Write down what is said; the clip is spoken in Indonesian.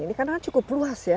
ini karena kan cukup luas ya